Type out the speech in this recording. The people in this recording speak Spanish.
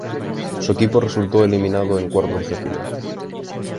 Su equipo resultó eliminado en cuartos de final